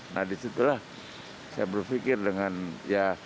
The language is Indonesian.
nah disitulah saya berpikir dengan ya